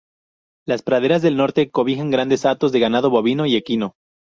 Las praderas del norte cobijan grandes hatos de ganado bovino y equino.